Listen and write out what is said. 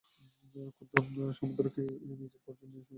ক্ষুব্ধ সমুদ্র কী নিজের গর্জন নিজে শুনিতে পায়।